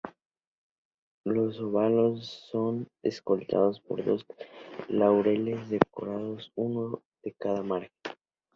Los óvalos son escoltados por dos laureles dorados, uno en cada margen.